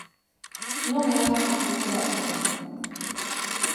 Non é unha cuestión de corazón.